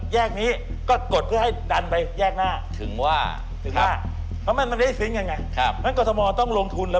รถติดก็เพราะว่าคนไม่มีขนส่งบอนชนที่ดี